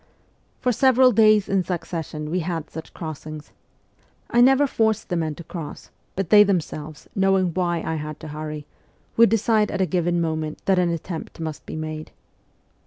.. For several days in succession we had such crossings. I never forced the men to cross, but they themselves, knowing why I had to hurry, would decide at a given moment that an attempt must be made.